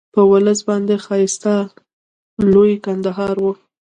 په ولس باندې ښایسته لوی کندهار وو.